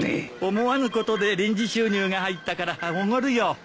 思わぬことで臨時収入が入ったからおごるよ。